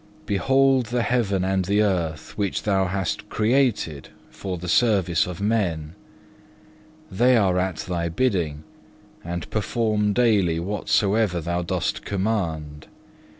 Behold the heaven and the earth which Thou hast created for the service of men; they are at Thy bidding, and perform daily whatsoever Thou dost command.